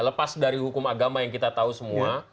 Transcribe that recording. lepas dari hukum agama yang kita tahu semua